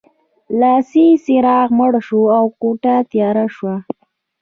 لاسي څراغ مړ شو او کوټه تیاره شوه